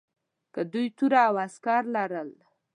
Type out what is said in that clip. که دوی توره او عسکر لرل.